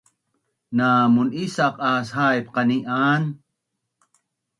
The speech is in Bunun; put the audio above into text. Namun’isaq aas haip qanian?